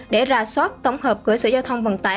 để ra soát tổng hợp cửa sở giao thông vận tải